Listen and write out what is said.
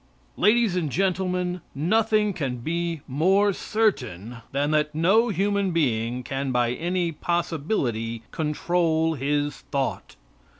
Ladies and Gentlemen: Nothing can be more certain than that no human being can by any possibility control his thought.